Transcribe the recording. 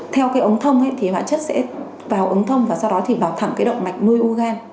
theo cái ống thông thì hóa chất sẽ vào ống thông và sau đó thì vào thẳng cái động mạch nuôi u gan